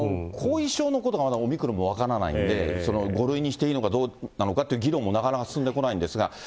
後遺症のことが、まだオミクロンも分からないんで、５類にしていいのかどうなのかというのは議論もなかなか進んでこないんですが。